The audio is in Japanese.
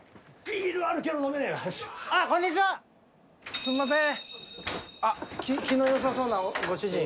すみません！